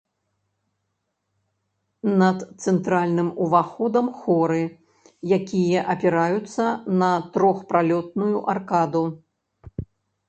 Над цэнтральным уваходам хоры, якія апіраюцца на трохпралётную аркаду.